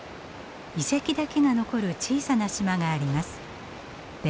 遺跡だけが残る小さな島があります。